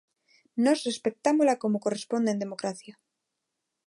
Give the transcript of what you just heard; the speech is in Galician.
Nós respectámola como corresponde en democracia.